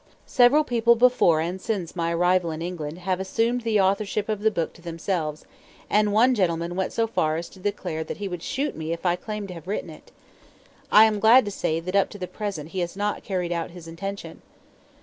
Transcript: Several people before and since my arrival in England, have assumed the authorship of the book to themselves; and one gentleman went so far as to declare that he would shoot me if I claimed to have written it. I am glad to say that up to the present he has not carried out his intention.